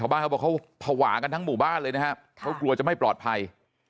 บ้านเขาบอกเขาภาวะกันทั้งหมู่บ้านเลยนะครับเขากลัวจะไม่ปลอดภัย